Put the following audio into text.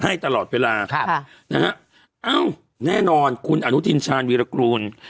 ให้ตลอดเวลาค่ะนะฮะเอ้าแน่นอนคุณอนุทินชาญวีรกูล